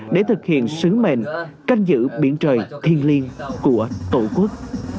để thực hiện sứ mệnh canh giữ biển trời thiên liên của tổ quốc